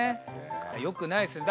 よくないですね。